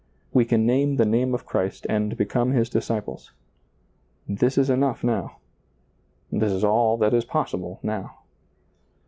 We can name the name of Christ and become His disciples. This is enough now ; this is all that is possible now.